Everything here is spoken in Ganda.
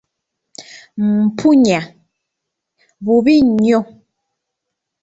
Mpunya, bubi nnyo.